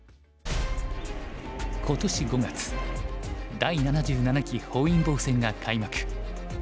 今年５月第７７期本因坊戦が開幕。